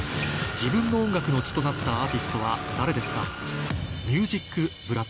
自分の音楽の血となったアーティストは誰ですか？